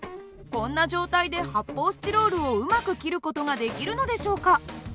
こんな状態で発泡スチロールをうまく切る事ができるのでしょうか？